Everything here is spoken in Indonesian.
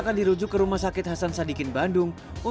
tadi baru anamresa dari ibunya dari keluarganya